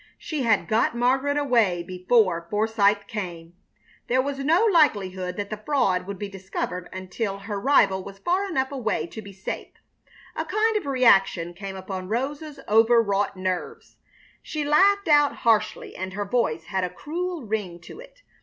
She had got Margaret away before Forsythe came! There was no likelihood that the fraud would be discovered until her rival was far enough away to be safe. A kind of reaction came upon Rosa's overwrought nerves. She laughed out harshly, and her voice had a cruel ring to it.